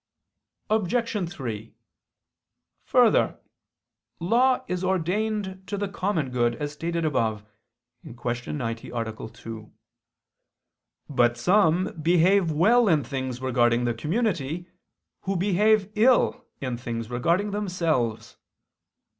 Obj. 3: Further, Law is ordained to the common good, as stated above (Q. 90, A. 2). But some behave well in things regarding the community, who behave ill in things regarding themselves.